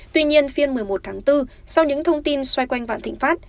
tuy nhiên phiên một mươi một tháng bốn sau những thông tin xoay quanh vạn thịnh pháp